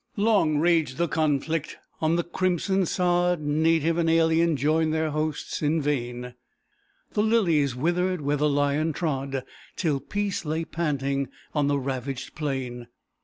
Long raged the conflict; on the crimson sod Native and alien joined their hosts in vain; The lilies withered where the lion trod, Till Peace lay panting on the ravaged plain.